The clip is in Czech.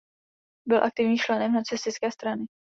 Byl aktivním členem nacistické strany.